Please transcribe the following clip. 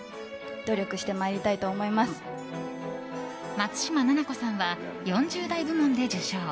松嶋菜々子さんは４０代部門で受賞。